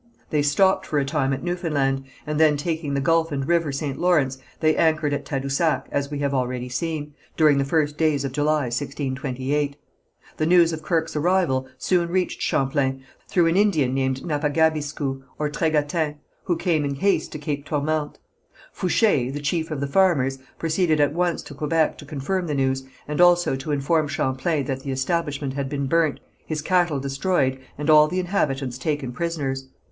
They stopped for a time at Newfoundland, and then taking the gulf and river St. Lawrence, they anchored at Tadousac, as we have already seen, during the first days of July, 1628. The news of Kirke's arrival soon reached Champlain, through an Indian named Napagabiscou, or Tregatin, who came in haste to Cape Tourmente. Foucher, the chief of the farmers, proceeded at once to Quebec to confirm the news, and also to inform Champlain that the establishment had been burnt, his cattle destroyed, and all the inhabitants taken prisoners.